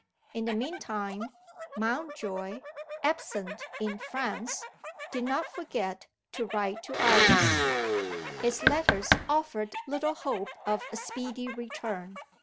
In the meantime, Mountjoy (absent in France) did not forget to write to Iris. His letters offered little hope of a speedy return.